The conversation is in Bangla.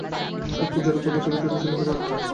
শক্তি জড়-পদার্থ ব্যতীত চলিতে পারে না।